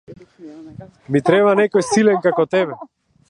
Ми треба некој силен како тебе.